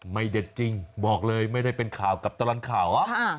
เด็ดจริงบอกเลยไม่ได้เป็นข่าวกับตลอดข่าว